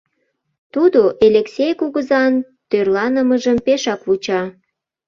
Тудо Элексей кугызан тӧрланымыжым пешак вуча.